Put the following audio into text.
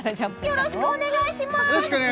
よろしくお願いします！